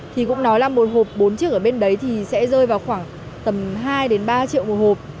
thì cũng nói là một hộp bốn chiếc ở bên đấy thì sẽ rơi vào khoảng tầm hai đến ba triệu một hộp